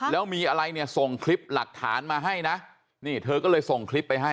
แล้วมีอะไรเนี่ยส่งคลิปหลักฐานมาให้นะนี่เธอก็เลยส่งคลิปไปให้